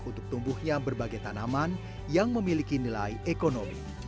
untuk tumbuhnya berbagai tanaman yang memiliki nilai ekonomi